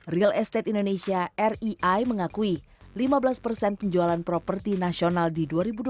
real estate indonesia rei mengakui lima belas persen penjualan properti nasional di dua ribu dua puluh